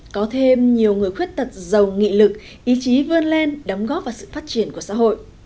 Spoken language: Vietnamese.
có thêm nhiều người khuyết tật giàu nghị lực ý chí vươn lên đóng góp vào sự phát triển của xã hội